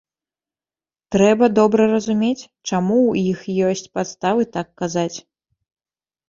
Трэба добра разумець, чаму ў іх ёсць падставы так казаць.